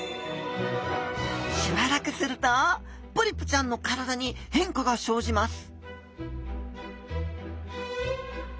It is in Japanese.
しばらくするとポリプちゃんの体に変化が生じます